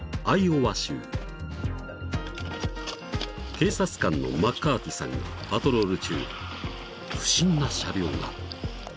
［警察官のマッカーティさんがパトロール中不審な車両が］